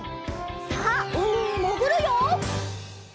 さあうみにもぐるよ！